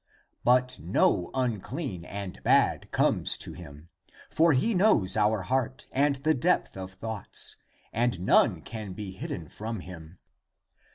But no unclean and bad comes to him. For he knows our heart and the depth of thoughts, and none can be hidden from him.